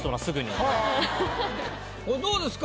どうですか？